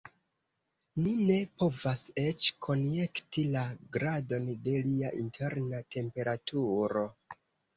Ni ne povas eĉ konjekti la gradon de lia interna temperaturo.